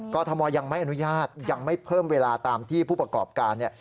ทมยังไม่อนุญาตยังไม่เพิ่มเวลาตามที่ผู้ประกอบการเนี่ย